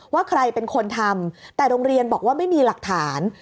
ว่าใครเป็นคนทำแต่โรงเรียนบอกว่าไม่มีหลักฐาน